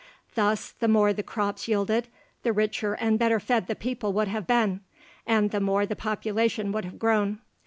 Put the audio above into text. Thus, the more the crops yielded, the richer and better fed the people would have been, and the more the population would have grown.